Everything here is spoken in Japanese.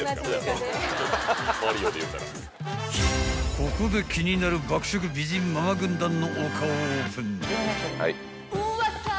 ［ここで気になる爆食美人ママ軍団のお顔オープン］